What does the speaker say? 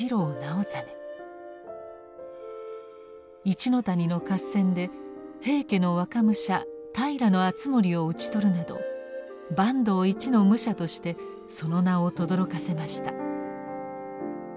一ノ谷の合戦で平家の若武者平敦盛を討ち取るなど坂東一の武者としてその名をとどろかせました。